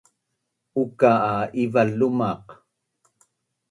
uka’ a Ival lumaq